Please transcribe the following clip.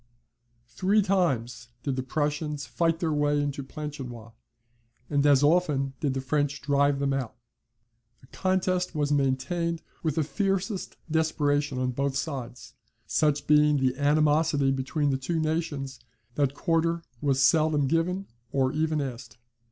Three times did the Prussians fight their way into Planchenoit, and as often did the French drive them out: the contest was maintained with the fiercest desperation on both sides, such being the animosity between the two nations that quarter was seldom given or even asked.